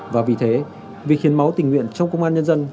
và vì thế việc hiến máu tình nguyện trong công an nhân dân